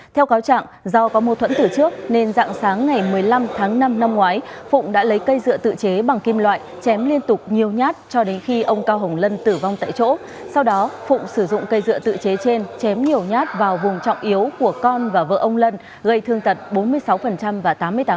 trong đó phụng sử dụng cây dựa tự chế trên chém nhiều nhát vào vùng trọng yếu của con và vợ ông lân gây thương tật bốn mươi sáu và tám mươi tám